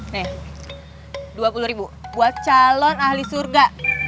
nih rp dua puluh ribu buat calon ahli surga